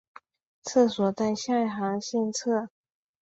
厕所在下行线侧。